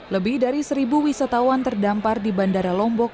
lebih dari seribu wisatawan terdampar di bandara lombok